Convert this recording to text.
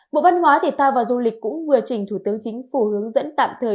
bộ văn hóa thể thao và du lịch cũng vừa trình thủ tướng chính phủ hướng dẫn tạm thời